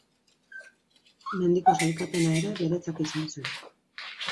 Mendiko sailkapena ere beretzat izan zen.